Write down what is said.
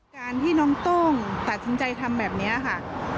การที่น้องโต้งตัดสินใจทำแบบนี้ค่ะ